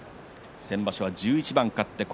先場所は１１番勝った豊昇龍。